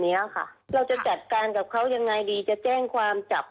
แล้วหลังนี่ยังเจอแค่กันนั้นแค่จะต้องไปแจ้งความแล้วล่ะค่ะ